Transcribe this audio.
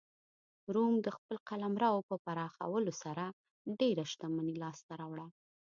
روم د خپل قلمرو په پراخولو سره ډېره شتمني لاسته راوړه